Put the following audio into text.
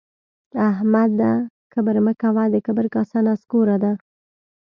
احمده کبر مه کوه؛ د کبر کاسه نسکوره ده